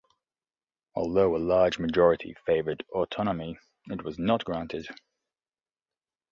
Although a large majority favoured autonomy, it was not granted.